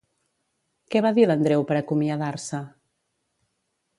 Què va dir l'Andreu per acomiadar-se?